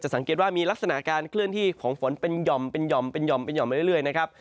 สังเกตว่ามีลักษณะการเคลื่อนที่ของฝนเป็นห่อมเป็นห่อมเป็นห่อมเป็นห่อมไปเรื่อยนะครับ